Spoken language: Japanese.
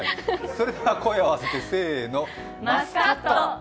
それでは声を合わせて、せーのマスカット。